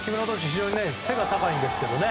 非常に背が高いんですけどね。